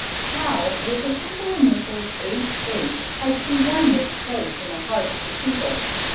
How, with the simple initials, "H.H.," had she won this place in the hearts of the people?